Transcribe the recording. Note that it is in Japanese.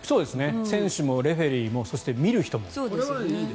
選手もレフェリーもそして見る人も。